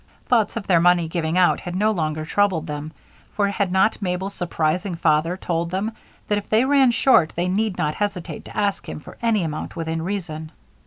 Thoughts of their money's giving out no longer troubled them, for had not Mabel's surprising father told them that if they ran short they need not hesitate to ask him for any amount within reason?